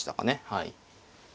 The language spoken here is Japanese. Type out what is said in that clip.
はい。